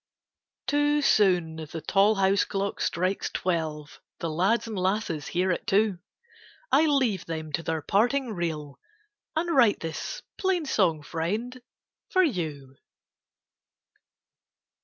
Too soon the tall house clock strikes twelve, The lads and lasses hear it too, I leave them to their parting reel, And write this plain song, friend, for you.